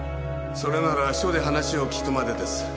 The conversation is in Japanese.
それなら署で話を聞くまでです。